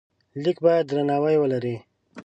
لیک باید درناوی ولري.